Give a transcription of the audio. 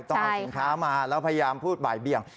ต้องเอาสินค้ามาแล้วพยายามพูดบ่ายเบี่ยง